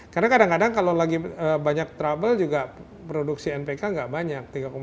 karena kadang kadang kalau lagi banyak trouble juga produksi npk gak banyak tiga dua juta ton